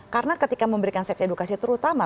karena ketika memberikan seks edukasi terutama